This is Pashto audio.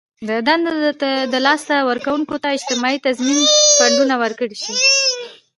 د دندو له لاسه ورکوونکو ته اجتماعي تضمین فنډونه ورکړل شي.